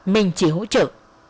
mình chỉ hỗ trợ